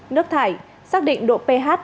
nước thải xác định độ ph